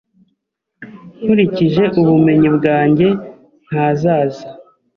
Nkurikije ubumenyi bwanjye, ntazaza